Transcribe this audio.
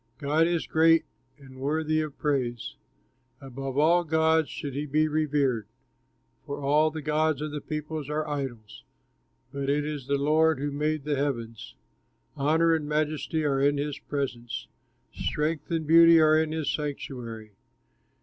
God is great, and worthy of praise, Above all gods should he be revered, For all the gods of the peoples are idols, But it is the Lord who made the heavens. Honor and majesty are in his presence, Strength and beauty are in his sanctuary.